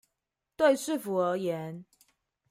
對市府而言